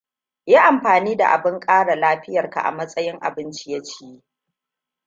Yi amfani da abin kara lafiyar ka a matsayin abun ciye-ciye.